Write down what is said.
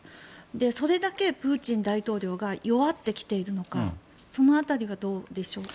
それだけプーチン大統領が弱ってきているのかその辺りはどうでしょうか。